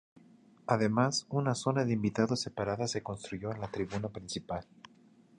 Además, una zona de invitados separada se construyó en la tribuna principal.